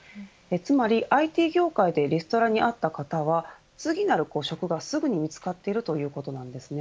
つまり、ＩＴ業界でリストラに遭った方は次なる職がすぐに見つかっているということなんですね。